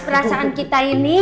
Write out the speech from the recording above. perasaan kita ini